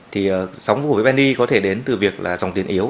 thì sóng của vienny có thể đến từ việc là dòng tiền yếu